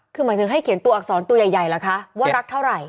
คือหมายถึงให้เขียนตัวอักษรตัวใหญ่เหรอคะว่ารักเท่าไหร่